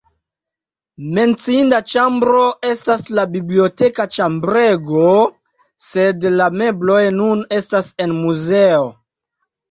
Menciinda ĉambro estas la biblioteka ĉambrego, sed la mebloj nun estas en muzeo.